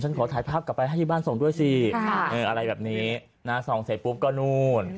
ขอถ่ายภาพกลับไปให้ที่บ้านส่งด้วยสิอะไรแบบนี้นะส่องเสร็จปุ๊บก็นู่น